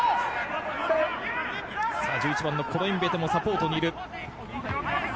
１１番のコロインベテもサポートにいる。